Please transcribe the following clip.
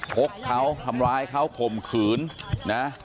กเขาทำร้ายเขาข่มขืนนะ